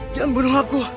jangan bunuh aku